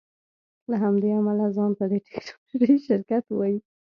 له همدې امله ځان ته د ټیکنالوژۍ شرکت وایې